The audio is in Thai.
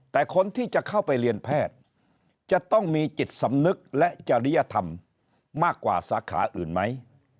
แต่คนที่จะเข้าไปเรียนแพทย์จะต้องมีจิตสำนึกและจริยธรรมมากกว่าสาขาอื่นไหม